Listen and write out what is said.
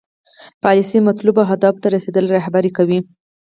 پالیسي مطلوبو اهدافو ته رسیدل رهبري کوي.